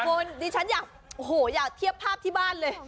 คนนี่ฉันอยากเทียบภาพที่บ้านเลย